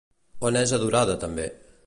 On és adorada també?